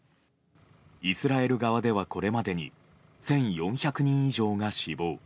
イスラエル側では、これまでに１４００人以上が死亡。